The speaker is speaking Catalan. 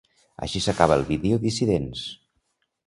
Així s’acaba el vídeo Dissidents.